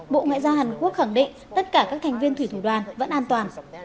bộ ngoại giao hàn quốc khẳng định tất cả các thành viên thủy thủ đoàn vẫn an toàn